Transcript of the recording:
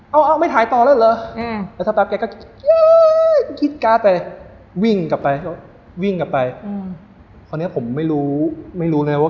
เอาเอาไม่ถ่ายต่อแล้วเหรอ